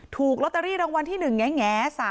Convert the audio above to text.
ถูกลอตเตอรี่รางวัลที่๑แง